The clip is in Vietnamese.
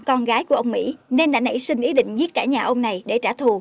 con gái của ông mỹ nên đã nảy sinh ý định giết cả nhà ông này để trả thù